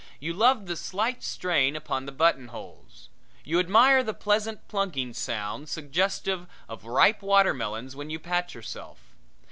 You love the slight strain upon the buttonholes. You admire the pleasant plunking sound suggestive of ripe watermelons when you pat yourself.